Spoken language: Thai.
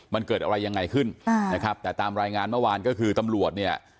มันเกิดอะไรยังไงขึ้นอ่านะครับแต่ตามรายงานเมื่อวานก็คือตำรวจเนี่ย